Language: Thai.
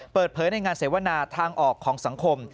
ในงานเสวนาทางออกของสังคม